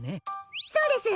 そうです！